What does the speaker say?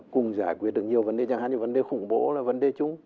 cùng giải quyết được nhiều vấn đề chẳng hạn như vấn đề khủng bố là vấn đề chung